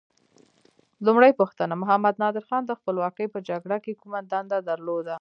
لومړۍ پوښتنه: محمد نادر خان د خپلواکۍ په جګړه کې کومه دنده درلوده؟